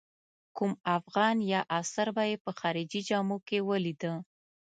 کوم افغان یا افسر به یې په خارجي جامو کې ولیده.